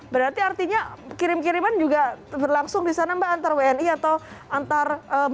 berarti artinya kirim kiriman juga berlangsung disana mbak antar wni atau antar muslim